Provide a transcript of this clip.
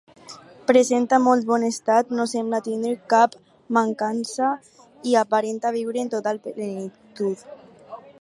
Presenta molt bon estat, no sembla tindre cap mancança i aparenta viure en total plenitud.